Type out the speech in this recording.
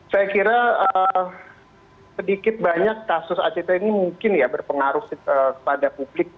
saya kira sedikit banyak kasus act ini mungkin ya berpengaruh kepada publik